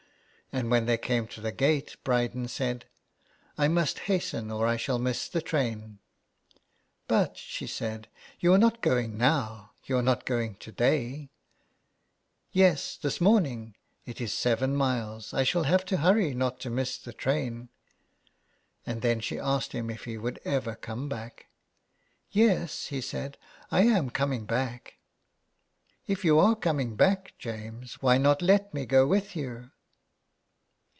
And when they came to the gate Bryden said :—" I must hasten or I .shall miss the train.'' " But," she said, *' you are not going now — you are not going to day ?"" Yes, this morning. It is seven miles. I shall have to hurry not to miss the train." And then she asked him if he would ever come back. " Yes/' he said, " 1 am coming back." " If you are coming back, James, why not let me go with you?"